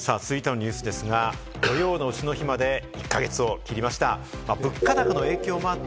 続いてのニュースですが、土用の丑の日まで１か月を切りました。